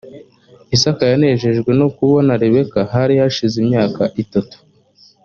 isaka yanejejwe no kubona rebeka hari hashize imyaka itatu